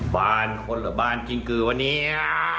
บ้านคนหรือบ้านกิ้งกือวะเนี่ย